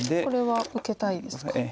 これは受けたいですか。